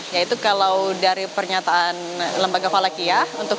yaitu kalau dari pernyataan lembaga falakiyah